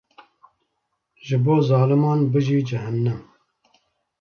Ji bo zaliman bijî cehennem.